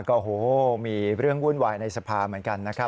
โอ้โหมีเรื่องวุ่นวายในสภาเหมือนกันนะครับ